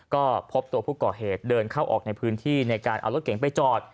ก็พบตัวผู้ก่อเหตุเดินเข้าออกในพื้นที่ในการเอารถเก๋งไปจอด